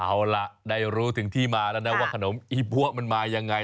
เอาล่ะได้รู้ถึงที่มาแล้วนะว่าขนมอีพัวมันมายังไง